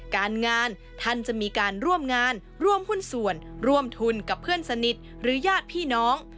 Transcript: การงานท่านจะมีการร่วมงานร่วมหุ้นส่วนร่วมทุนกับเพื่อนสนิทหรือญาติพี่น้อง